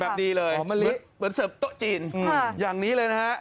ดีเลยหอมมะลิเหมือนเสิร์ฟโต๊ะจีนอย่างนี้เลยนะฮะ